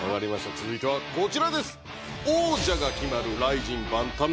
続いてはこちらです！